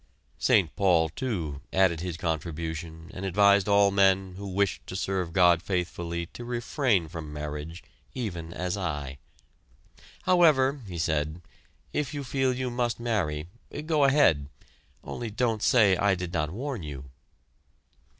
St. Paul, too, added his contribution and advised all men who wished to serve God faithfully to refrain from marriage "even as I." "However," he said, "if you feel you must marry, go ahead only don't say I did not warn you!"